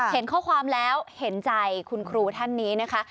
เห็นข้อความแล้วเห็นใจคุณครูท่านนี้นะคะ